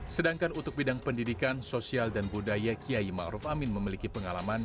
sedangkan untuk bidang pendidikan sosial dan budaya kiai ma'ruf amin memiliki pengalaman